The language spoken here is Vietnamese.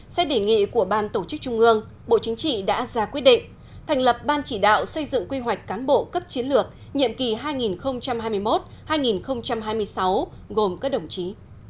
xét đề nghị của ban tổ chức trung ương bộ chính trị đã ra quyết định thành lập ban chỉ đạo xây dựng quy hoạch cán bộ cấp chiến lược nhiệm kỳ hai nghìn hai mươi một hai nghìn hai mươi sáu gồm các đồng chí